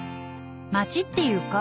町っていうか